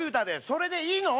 それでいいの？